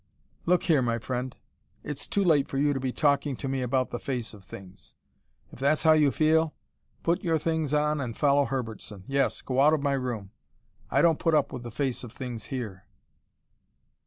"Look here, my friend, it's too late for you to be talking to me about the face of things. If that's how you feel, put your things on and follow Herbertson. Yes go out of my room. I don't put up with the face of things here."